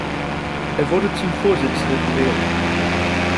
Er wurde zum Vorsitzenden gewählt.